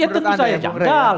ya tentu saja janggal